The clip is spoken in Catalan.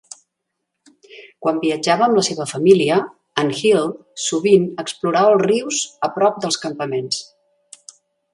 Quan viatjava amb la seva família, en Hill sovint explorava els rius a prop dels campaments.